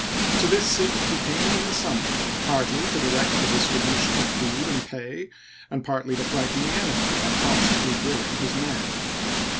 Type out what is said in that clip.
To this city he came in the summer, partly to direct the distri bution of food and pay, and partlv to frighten the enemy by constantly drilling his men.